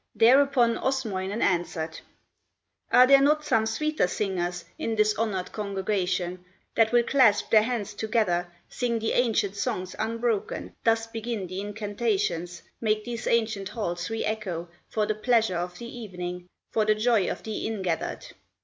Thereupon Osmoinen answered: "Are there not some sweeter singers In this honored congregation, That will clasp their hands together, Sing the ancient songs unbroken, Thus begin the incantations, Make these ancient halls re echo For the pleasure of the evening, For the joy of the in gathered?"